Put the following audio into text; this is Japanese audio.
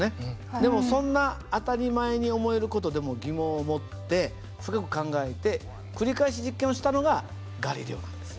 でもそんな当たり前に思える事でも疑問を持って深く考えて繰り返し実験をしたのがガリレオなんです。